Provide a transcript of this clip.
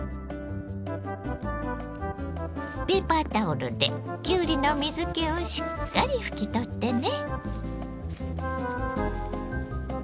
ペーパータオルできゅうりの水けをしっかり拭き取ってね。